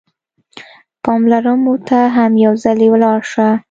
پالرمو ته هم یو ځلي ولاړ شه.